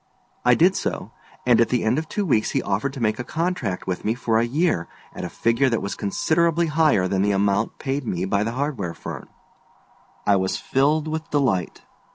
I did so, and at the end of two weeks he offered to make a contract with me for a year at a figure that was considerably higher than the amount paid me by the hardware firm. I was filled with delight.